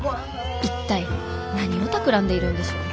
一体何をたくらんでいるんでしょう」。